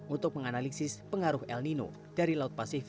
untuk menganalisis pengaruh el nino dari laut pasifik